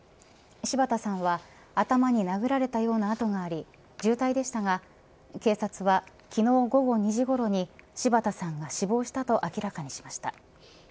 柴田さんは頭に殴られたような痕があり重体でしたが、警察は昨日午後２時ごろに柴田さんが死亡したと明らかにしました。